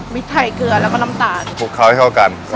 ไทยเกลือแล้วก็น้ำตาลคลุกเคล้าให้เข้ากัน